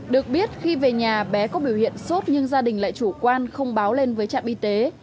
được biết khi về nhà bé có biểu hiện sốt nhưng gia đình lại chủ quan không báo lên với trạm y tế